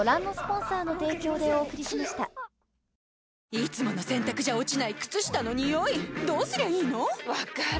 いつもの洗たくじゃ落ちない靴下のニオイどうすりゃいいの⁉分かる。